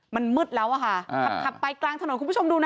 มันมืดแล้วอะค่ะขับไปกลางถนนคุณผู้ชมดูนะ